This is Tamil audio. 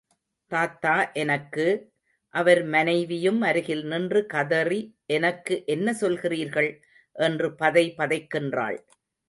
தாத்தா எனக்கு...... அவர் மனைவியும் அருகில் நின்று கதறி, எனக்கு என்ன சொல்கிறீர்கள்? என்று பதைபதைக்கின்றாள்.